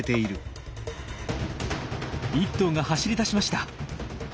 １頭が走り出しました。